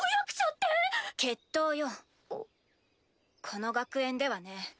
この学園ではね